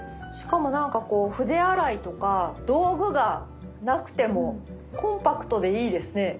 しかも筆洗いとか道具がなくてもコンパクトでいいですね。